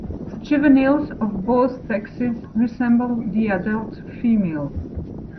Juveniles of both sexes resemble the adult female.